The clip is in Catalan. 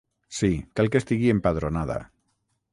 Sí, cal que estigui empadronada.